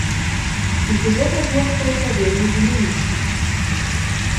І сюжэт разгортваецца вельмі дынамічна.